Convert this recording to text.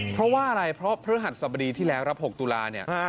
เพราะว่าอะไรเพราะพฤหัสสบดีที่แล้วครับ๖ตุลาเนี่ย